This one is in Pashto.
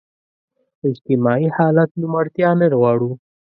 اجتماعي عدالت نوم اړتیا نه غواړو.